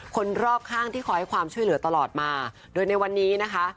คนรอบข้างที่คอยให้ความช่วยเหลือตลอดมาโดยในวันนี้นะคะ